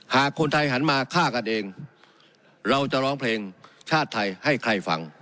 หากคนไทยหันมาฆ่ากันเองเราจะร้องเพลงชาติไทยให้ใครฟัง